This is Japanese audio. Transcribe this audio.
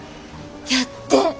やって。